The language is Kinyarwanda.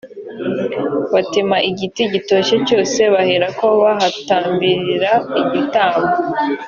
batema igiti gitoshye cyose baherako bahatambirira ibitambo